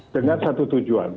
dengan satu tujuan